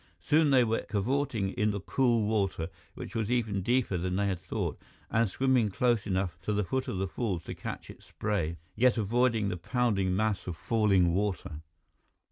Soon they were cavorting in the cool water, which was even deeper than they had thought, and swimming close enough to the foot of the falls to catch its spray, yet avoiding the pounding mass of falling water.